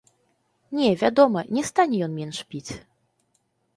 Не, вядома, не стане ён менш піць.